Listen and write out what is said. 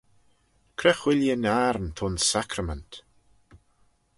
Cre whilleen ayrn t'ayns sacrament?